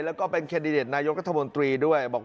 และเป็นแคดดิเดตนายกกทด้วยบอกว่า